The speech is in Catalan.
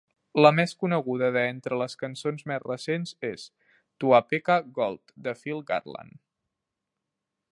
La més coneguda de entre les cançons més recents és "Tuapeka Gold", de Phil Garland.